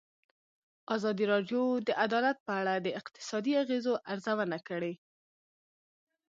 ازادي راډیو د عدالت په اړه د اقتصادي اغېزو ارزونه کړې.